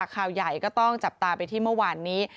ข่าวใหญ่ก็ต้องจับตาไปที่เมื่อวานนี้